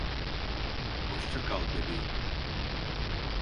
Hoşça kal bebeğim.